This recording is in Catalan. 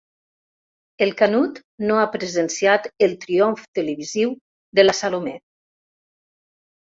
El Canut no ha presenciat el triomf televisiu de la Salomé.